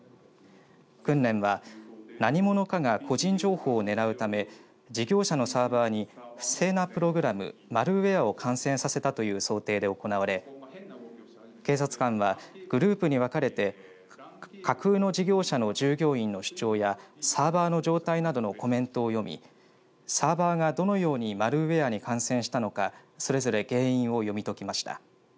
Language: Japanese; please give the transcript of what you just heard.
訓練は何者かが個人情報を狙うため事業者のサーバに不正なプログラム、マルウェアを感染させたという想定で行われ警察官はグループに分かれて架空の事業者の従業員の主張やサーバーの状態などのコメントを読みサーバーがどのようにマルウェアに感染したのかそれぞれ原因を読み解きました。